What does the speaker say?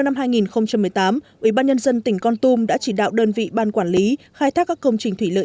năm hai nghìn một mươi tám ủy ban nhân dân tỉnh con tùm đã chỉ đạo đơn vị ban quản lý khai thác các công trình thủy lợi